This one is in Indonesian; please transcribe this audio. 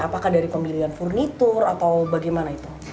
apakah dari pemilihan furnitur atau bagaimana itu